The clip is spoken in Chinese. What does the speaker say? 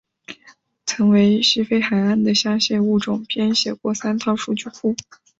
曾为西非海岸的虾蟹物种编写过三套数据库。